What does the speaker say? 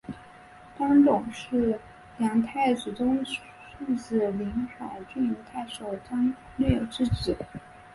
张种是梁太子中庶子临海郡太守张略之子。